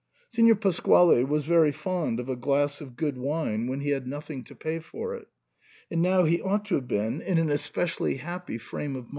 Signor Pasquale was very fond of a glass of good wine — when he had nothing to pay for it ; and now he ought to have been in an especially happy frame of SIGNOR FORMICA.